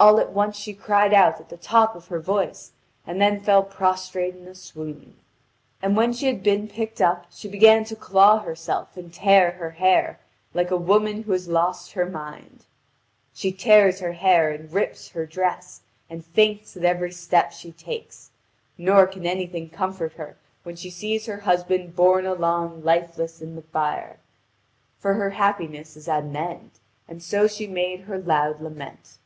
All at once she cried out at the top of her voice, and then fell prostrate in a swoon. And when she had been picked up she began to claw herself and tear her hair, like a woman who had lost her mind. She tears her hair and rips her dress, and faints at every step she takes; nor can anything comfort her when she sees her husband borne along lifeless in the bier; for her happiness is at an end, and so she made her loud lament.